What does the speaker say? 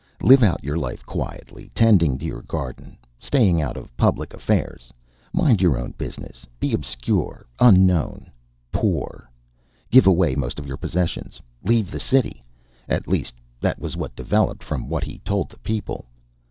Live out your life quietly, tending your garden, staying out of public affairs; mind your own business. Be obscure, unknown, poor. Give away most of your possessions, leave the city. At least that was what developed from what he told the people."